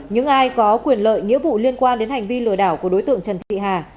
những ai có quyền lợi nghĩa vụ liên quan đến hành vi lừa đảo của đối tượng trần thị hà